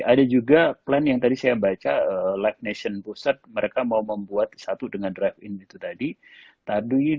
ada juga plan yang tadi saya baca live nation pusat mereka mau membuat satu dengan drive in itu tadi